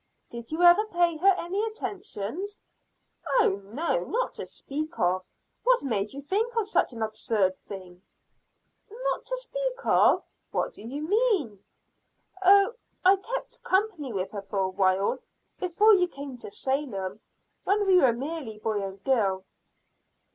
"Did you ever pay her any attentions?" "Oh, no, not to speak of. What made you think of such an absurd thing?" "'Not to speak of' what do you mean?" "Oh, I kept company with her for awhile before you came to Salem when we were merely boy and girl."